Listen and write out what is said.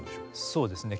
そうですね。